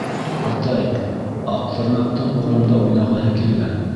— Атай, Аҡтырнаҡтың урамда уйнағыһы килгән.